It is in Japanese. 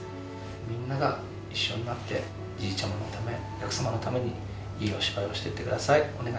みんなが一緒になってじじちゃまのためお客さまのためにいいお芝居をしてってください。